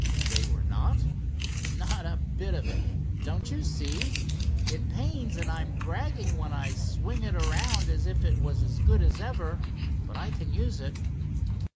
"They were not?" "Not a bit of it. Don't you see? It pains, and I'm bragging when I swing it around as if it was as good as ever, but I can use it."